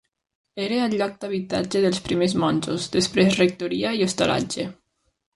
Era el lloc de l'habitatge dels primers monjos, després rectoria i hostalatge.